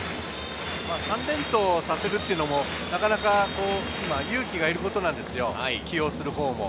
３連投をさせるというのも、なかなか勇気がいることなんですよ、起用するほうも。